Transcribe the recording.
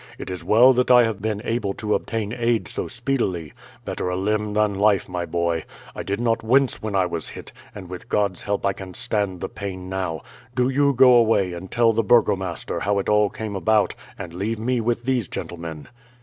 It is well that I have been able to obtain aid so speedily. Better a limb than life, my boy. I did not wince when I was hit, and with God's help I can stand the pain now. Do you go away and tell the burgomaster how it all came about, and leave me with these gentlemen."